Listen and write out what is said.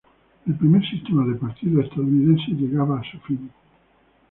El primer sistema de partidos estadounidense llegaba a su fin.